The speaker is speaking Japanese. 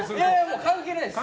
関係ないです。